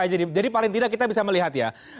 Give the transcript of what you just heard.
jadi paling tidak kita bisa melihat ya